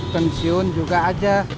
pensiun juga aja